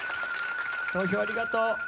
投票ありがとう！